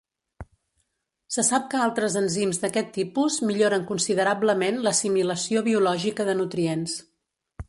Se sap que altres enzims d'aquest tipus milloren considerablement l'assimilació biològica de nutrients.